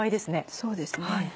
そうですね。